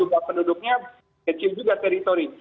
karena penduduknya kecil juga teritori